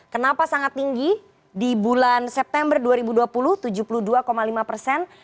kenapa sangat tinggi di bulan september dua ribu dua puluh tujuh puluh dua lima persen